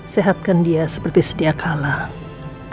sehatkan dia seperti sedia kalah